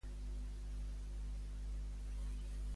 Com es guanya la vida a la Universitat Northwestern de Chicago?